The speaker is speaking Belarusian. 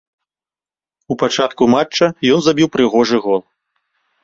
У пачатку матча ён забіў прыгожы гол.